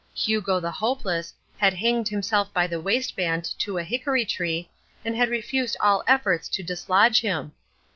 Hugo the Hopeless had hanged himself by the waistband to a hickory tree and had refused all efforts to dislodge him.